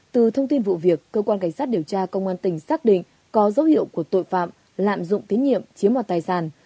từ thông tin vụ việc cơ quan cảnh sát điều tra công an tỉnh xác định có dấu hiệu của tội phạm lạm dụng tín nhiệm chiếm mọt tài sản